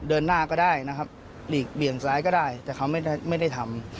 เดินหน้าก็ได้นะครับหลีกเบี่ยงซ้ายก็ได้แต่เขาไม่ได้ทำ